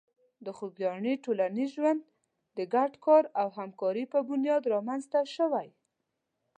د خوږیاڼي ټولنیز ژوند د ګډ کار او همکاري په بنیاد رامنځته شوی.